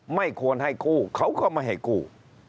ไม่ควรให้กู้เขาก็ไม่ให้กู้